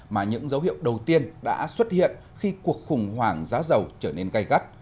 mà những dấu hiệu đầu tiên đã xuất hiện khi cuộc khủng hoảng giá giàu trở nên gây gắt